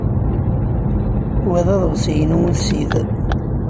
Wa d aḍebsi-inu ussid.